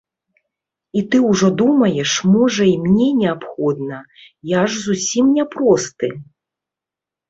І ты ўжо думаеш, можа, і мне неабходна, я ж зусім няпросты?